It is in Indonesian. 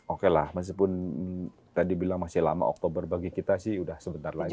oke lah meskipun tadi bilang masih lama oktober bagi kita sih udah sebentar lagi